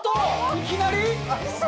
いきなり？嘘？